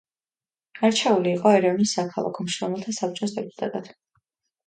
არჩეული იყო ერევნის საქალაქო მშრომელთა საბჭოს დეპუტატად.